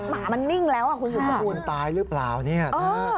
หมามันนิ่งแล้วอ่ะคุณสุภูมิมันตายรึเปล่าเนี้ยเออ